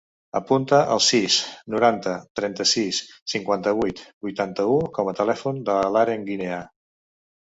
Apunta el sis, noranta, trenta-sis, cinquanta-vuit, vuitanta-u com a telèfon de l'Aren Guinea.